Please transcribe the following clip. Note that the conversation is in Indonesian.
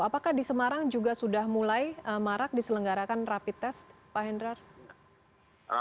apakah di semarang juga sudah mulai marak diselenggarakan rapid test pak hendrar